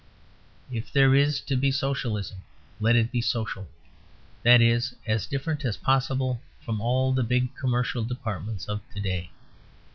If there is to be Socialism, let it be social; that is, as different as possible from all the big commercial departments of to day.